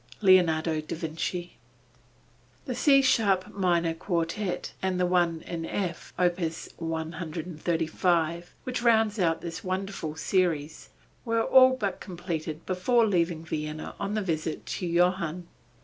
LEONARDO DA VINCI. The C sharp minor Quartet and the one in F, opus 135, which rounds out this wonderful series, were all but completed before leaving Vienna on the visit to Johann.